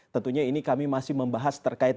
tentunya ini kami masih membahas terkait